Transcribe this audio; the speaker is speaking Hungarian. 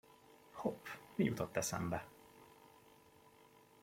Hopp, mi jutott eszembe!